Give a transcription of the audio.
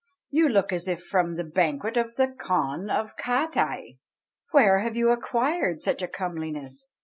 You look as if from the banquet of the Khan of Khatai. Where have you acquired such a comeliness?